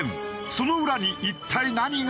その裏に一体何が？